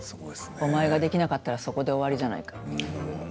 お前ができなかったらそこで終わりじゃないかと。